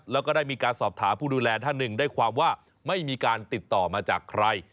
แล้วก็ได้มีการสอบถามผู้ดูแลท่านหนึ่งได้ความว่าไม่มีการติดต่อมาจากใคร